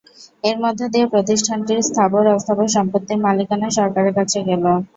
এর মধ্য দিয়ে প্রতিষ্ঠানটির স্থাবর অস্থাবর সম্পত্তির মালিকানা সরকারের কাছে গেল।